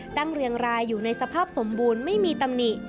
เรียงรายอยู่ในสภาพสมบูรณ์ไม่มีตำหนิ